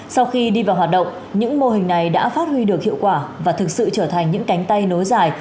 sau khi đi vào hoạt động những mô hình này đã phát huy được hiệu quả và thực sự trở thành những cánh tay nối dài